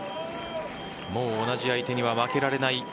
もう同じ相手には負けられない。